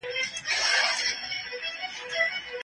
ډاکټر کمپبل د شکر ناروغانو ته سپارښتنه کوي.